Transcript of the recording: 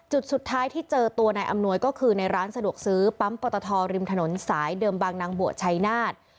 จุดสุดท้ายที่เจอตัวนายอำนวยก็คือในร้านสะดวกซื้อปั๊มปตทริมถนนสายเดิมบางนางบัวชัยนาธ